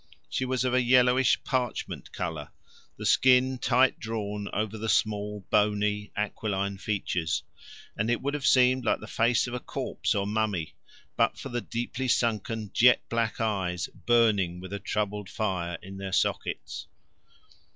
She was of a yellowish parchment colour, the skin tight drawn over the small bony aquiline features, and it would have seemed like the face of a corpse or mummy but for the deeply sunken jet black eyes burning with a troubled fire in their sockets.